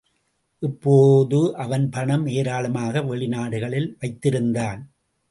இப்போதே அவன் பணம் ஏராளமாக வெளிநாடுகளில் வைத்திருந்தான்.